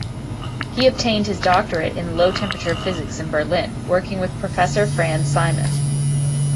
He obtained his doctorate in low-temperature physics in Berlin, working with Professor Franz Simon.